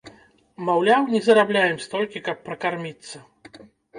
Маўляў, не зарабляем столькі, каб пракарміцца.